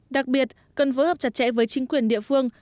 đặc biệt cần phối hợp chặt chẽ với chính quyền địa phương